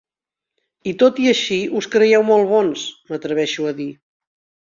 I tot i així us creieu molt bons, m'atreveixo a dir!